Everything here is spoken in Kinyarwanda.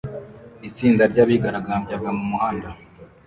Itsinda ryabigaragambyaga mumuhanda